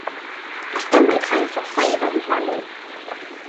Gall gymryd rhai wythnosau iddo ddiflannu.